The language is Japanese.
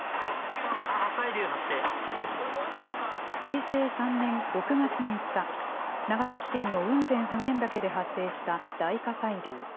平成３年６月３日、長崎県の雲仙・普賢岳で発生した大火砕流。